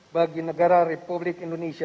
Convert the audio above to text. bagi negara republik indonesia